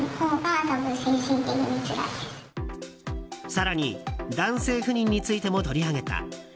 更に男性不妊についても取り上げた。